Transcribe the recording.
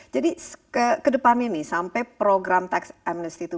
jadi ke depan ini sampai program tax amnesty ini